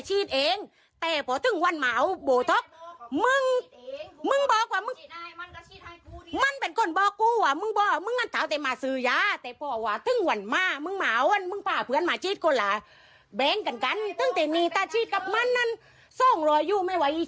เจ้าก็มันก็ตอดไปแสดงว่าใครจะขบเจ้าของเห้ย